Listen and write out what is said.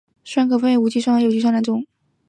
酸可分为无机酸和有机酸两种。